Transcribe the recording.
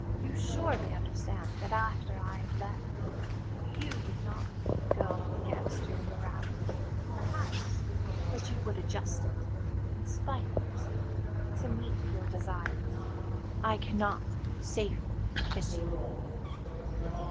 You surely understand that after I had left you you would not go against your morality, perhaps, but you would adjust it, in spite of yourself, to meet your desires! I cannot safely kiss you."